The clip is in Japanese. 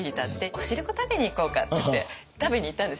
お汁粉食べに行こうかって言って食べに行ったんです。